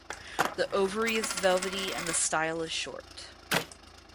The ovary is velvety and the style is short.